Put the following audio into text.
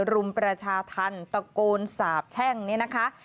รุมประชาธรรมตะโกนสาบแช่งเนี่ยนะคะ